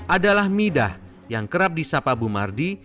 adalah midah yang kerap disapa bumardi